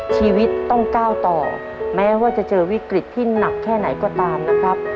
ชีวิตต้องก้าวต่อแม้ว่าจะเจอวิกฤตที่หนักแค่ไหนก็ตามนะครับ